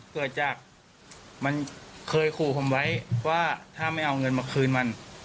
เกิดจากมันเคยขู่ผมไว้ว่าถ้าไม่เอาเงินมาคืนมัน